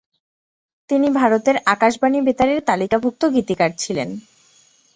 তিনি ভারতের আকাশবাণী বেতারের তালিকাভুক্ত গীতিকার ছিলেন।